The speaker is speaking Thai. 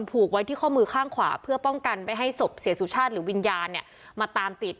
ผูกไว้ที่ข้อมือข้างขวาเพื่อป้องกันไม่ให้ศพเสียสุชาติหรือวิญญาณเนี่ยมาตามติด